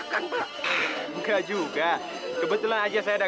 jangan ketawakan naikan